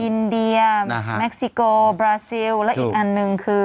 อินเดียเม็กซิโกบราซิลและอีกอันหนึ่งคือ